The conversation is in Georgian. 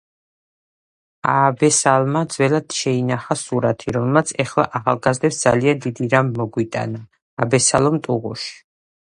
აბესალმა ძველად შეინახა სურათი რომელმაც ეხლა ახალგაზრდებს ძალიან დიდი რამ მოგვიტანააბესალომ ტუღუში